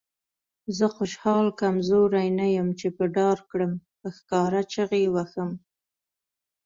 زه خوشحال کمزوری نه یم چې به ډار کړم. په ښکاره چیغې وهم.